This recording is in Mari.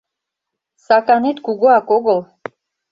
Саканет кугуак огыл...